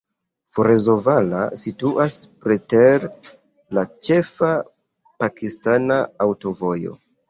Ferozevala situas preter la ĉefa pakistana aŭtovojo.